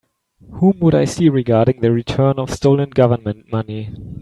Whom would I see regarding the return of stolen Government money?